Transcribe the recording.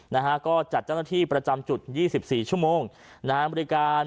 นะฮะก็จัดเจ้าหน้าที่ประจำจุดยี่สิบสี่ชั่วโมงนะฮะบริการ